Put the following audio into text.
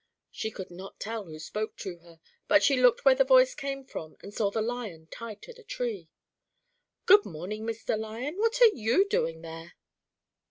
She could not tell who spoke to her, but she looked where the voice came from, and saw the Lion tied to the tree. "Good morning, Mr. Lion, what are you doing there?"